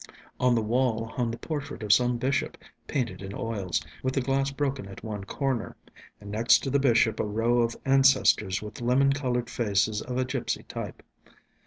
On the wall hung the portrait of some bishop, painted in oils, with the glass broken at one corner, and next to the bishop a row of ancestors with lemon coloured faces of a gipsy type.